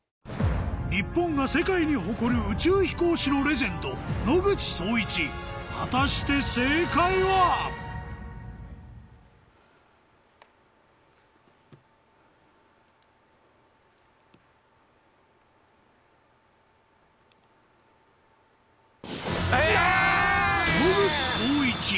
日本が世界に誇る宇宙飛行士のレジェンド野口聡一果たして正解は⁉え！